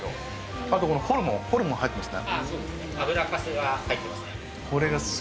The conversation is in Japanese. あとこのホルモン、ホルモン入ってますね？